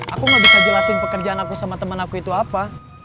aku gak bisa jelasin pekerjaan aku sama teman aku itu apa